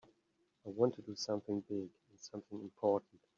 I want to do something big and something important.